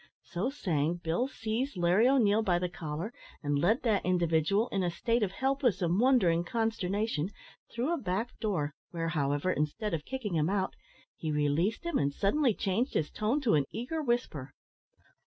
So saying, Bill seized Larry O'Neil by the collar, and led that individual, in a state of helpless and wondering consternation, through a back door, where, however, instead of kicking him out, he released him, and suddenly changed his tone to an eager whisper.